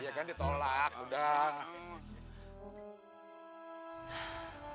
iya kan ditolak